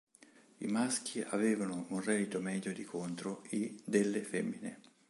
I maschi avevano un reddito medio di contro i delle femmine.